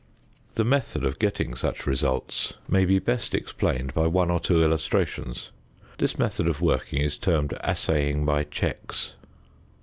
The method of getting such results may be best explained by one or two illustrations. This method of working is termed "assaying by checks."